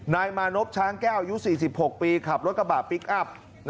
นายมานพช้างแก้วอายุ๔๖ปีขับรถกระบะพลิกอัพ